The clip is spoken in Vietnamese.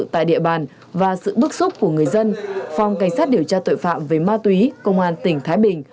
tại địa bàn và sự bức xúc của người dân phòng cảnh sát điều tra tội phạm về ma túy công an tỉnh thái bình